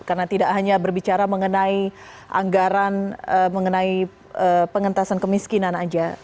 karena tidak hanya berbicara mengenai anggaran mengenai pengentasan kemiskinan aja